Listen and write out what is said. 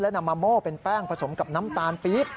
นำมาโม่เป็นแป้งผสมกับน้ำตาลปี๊บ